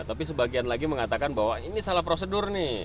tapi sebagian lagi mengatakan bahwa ini salah prosedur nih